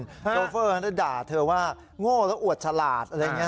โชเฟอร์ก็ด่าเธอว่าโง่แล้วอวดฉลาด